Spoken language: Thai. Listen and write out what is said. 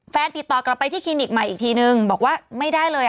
ติดต่อกลับไปที่คลินิกใหม่อีกทีนึงบอกว่าไม่ได้เลย